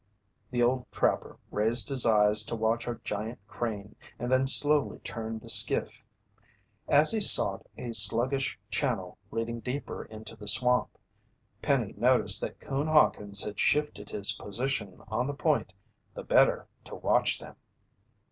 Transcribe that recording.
The old trapper raised his eyes to watch a giant crane, and then slowly turned the skiff. As he sought a sluggish channel leading deeper into the swamp, Penny noticed that Coon Hawkins had shifted his position on the point, the better to watch them.